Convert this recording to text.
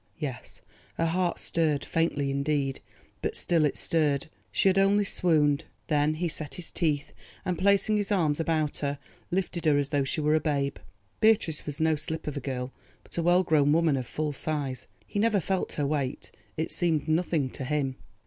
Yes, her heart stirred—faintly indeed, but still it stirred. She had only swooned. Then he set his teeth, and placing his arms about her, lifted her as though she were a babe. Beatrice was no slip of a girl, but a well grown woman of full size. He never felt her weight; it seemed nothing to him.